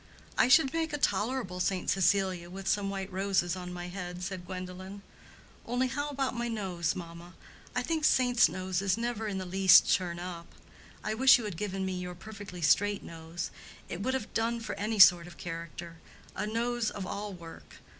"I should make a tolerable St. Cecilia with some white roses on my head," said Gwendolen,—"only how about my nose, mamma? I think saint's noses never in the least turn up. I wish you had given me your perfectly straight nose; it would have done for any sort of character—a nose of all work.